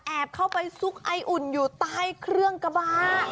เข้าไปซุกไออุ่นอยู่ใต้เครื่องกระบะ